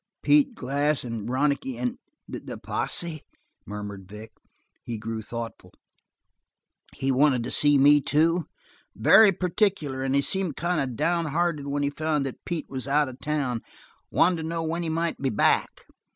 "Pete Glass and Ronicky and the posse!" murmured Vic. He grew thoughtful. "He wanted to see me, too?" "Very particular, and he seemed kind of down hearted when he found that Pete was out of town. Wanted to know when he might be back."